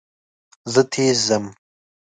زه تېز ځم.